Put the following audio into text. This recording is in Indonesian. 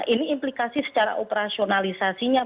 ini implikasi secara operasionalisasinya